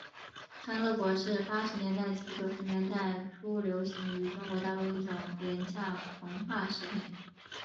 康乐果是八十年代及九十年代初流行于中国大陆一种廉价膨化食品。